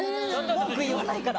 文句言わないから。